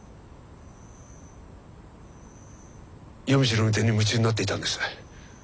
夜道の運転に夢中になっていたんです。